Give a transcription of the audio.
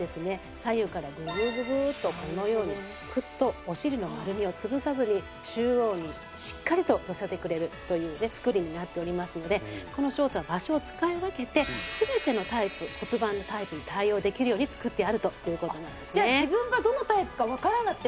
左右からググググッとこのようにクッとお尻の丸みを潰さずに中央にしっかりと寄せてくれるというね作りになっておりますのでこのショーツは場所を使い分けて全ての骨盤のタイプに対応できるように作ってあるという事なんですね。